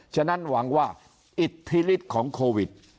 ฉะนั้นหวังว่าอิทธิฤทธิ์ของโควิด